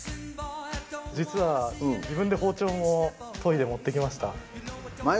実は自分で包丁も研いで持ってきました。